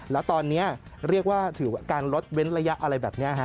แล้วตอนนี้เรียกว่าถือว่าการลดเว้นระยะอะไรแบบนี้ฮะ